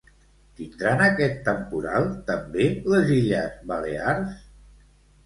Tindran aquest temporal també les Illes Balears?